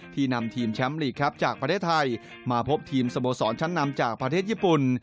นำทีมแชมป์ลีกครับจากประเทศไทยมาพบทีมสโมสรชั้นนำจากประเทศญี่ปุ่น